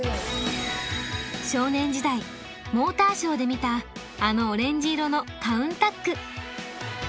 少年時代モーターショーで見たあのオレンジ色のカウンタック。